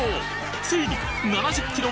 ついに７０キロ